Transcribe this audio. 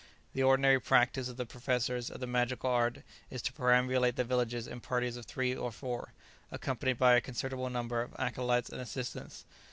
The ordinary practice of the professors of the magical art is to perambulate the villages in parties of three or four, accompanied by a considerable number of acolytes and assistants.